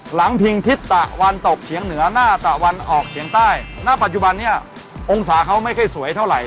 พิงทิศตะวันตกเฉียงเหนือหน้าตะวันออกเฉียงใต้ณปัจจุบันนี้องศาเขาไม่ค่อยสวยเท่าไหร่